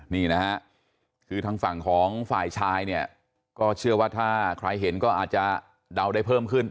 นี่นะฮะคือทางฝั่งของฝ่ายชายเนี่ยก็เชื่อว่าถ้าใครเห็นก็อาจจะเดาได้เพิ่มขึ้น